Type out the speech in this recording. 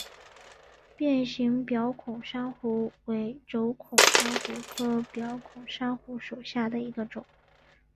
变形表孔珊瑚为轴孔珊瑚科表孔珊瑚属下的一个种。